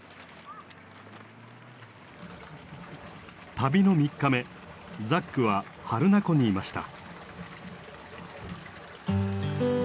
旅の３日目ザックは榛名湖にいました。